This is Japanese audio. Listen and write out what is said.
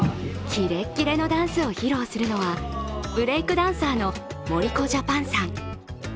キレッキレのダンスを披露するのはブレイクダンサーのＭＯＲＩＫＯＪＡＰＡＮさん。